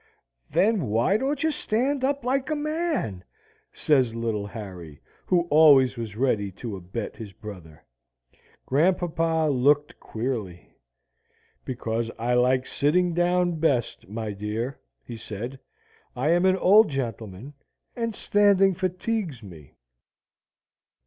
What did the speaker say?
"Then why don't you stand up like a man?" says little Harry', who always was ready to abet his brother. Grandpapa looked queerly. "Because I like sitting down best, my dear," he said. "I am an old gentleman, and standing fatigues me."